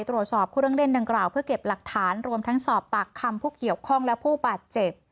ตรวจสอบเครื่องเล่นดังกล่าวเพื่อเก็บหลักฐานรวมทั้งสอบปากคำผู้เกี่ยวข้องและผู้บาดเจ็บ